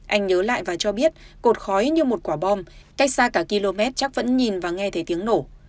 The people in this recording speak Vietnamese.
anh nhớ lại và cho biết cột khói như một quả bom cách xa cả km chắc vẫn nhìn và nghe thấy tiếng nổ